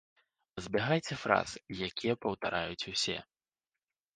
Пазбягайце фраз, якія паўтараюць усе.